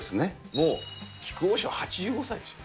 もう木久扇師匠、８５歳ですよ。